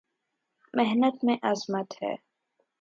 محنت میں عظمت ہے